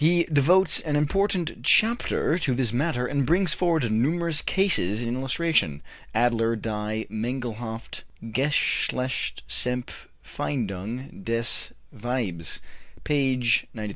He devotes an important chapter to this matter, and brings forward numerous cases in illustration (Adler, Die Mangelhafte Geschlechtsempfindung des Weibes, pp.